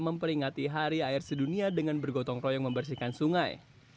memperingati hari air sedunia dengan bergotong royong membersihkan sungai